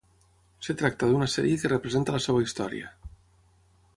Es tracta d'una sèrie que representa la seva història.